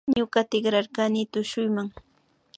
Ñuka tikrarkani tushuyma